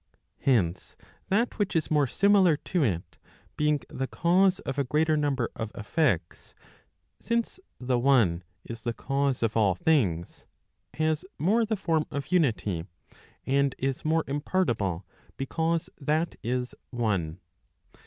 Hence that which is more similar to it, bang the cause of a greater Digitized by t^OOQLe 344 ELEMENTS PROP. LXlIf. number of effects, since the one is the cause of all things, has more the form of unity, and is more impartible, because that is one